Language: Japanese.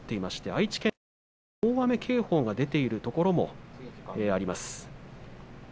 愛知県内には大雨警報が出ているところがあります。